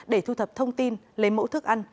để thu thập thông tin lấy mẫu thức ăn